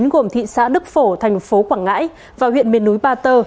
gồm thị xã đức phổ thành phố quảng ngãi và huyện miền núi ba tơ